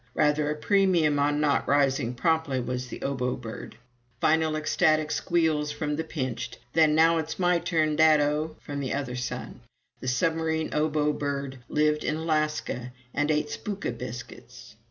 (Rather a premium on not rising promptly was the Obo Bird.) Final ecstatic squeals from the pinched. Then, "Now it's my turn, daddo!" from the other son. The Submarine Obo Bird lived in Alaska and ate Spooka biscuits.